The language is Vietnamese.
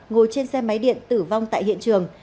ngồi trên xe máy điện tử vong tại hiện trường